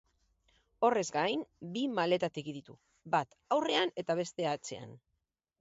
Horrez gain, bi maletategi ditu, bat aurrean eta beste bat atzean.